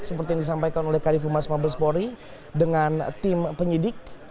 seperti yang disampaikan oleh kadifu mas mabespori dengan tim penyidik